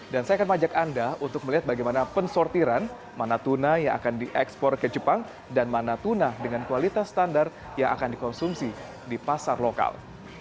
dan saya akan ajak anda untuk melihat bagaimana pensortiran mana tuna yang akan diekspor ke jepang dan mana tuna dengan kualitas standar yang akan dikonsumsi di pasar lokal